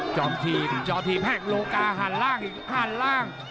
จอมทีมจอมทีมแพ่งโลกาหันล่างอีกหันล่าง